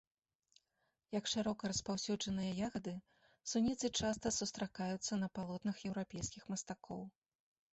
Як шырока распаўсюджаныя ягады, суніцы часта сустракаюцца на палотнах еўрапейскіх мастакоў.